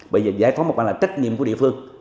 bây giờ giải phóng mặt bằng là trách nhiệm của địa phương